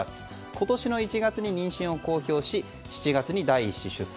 今年の１月に妊娠を公表し７月に第１子を出産。